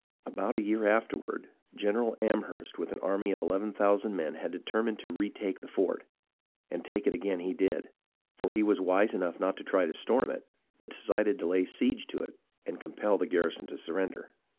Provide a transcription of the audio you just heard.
About a year afterward, General Amherst with an army of eleven thousand men had determined to retake the fort ; and take it again he did, for he was wise enough not to try to storm it, but decided to lay siege to it and compel the garrison to surrender.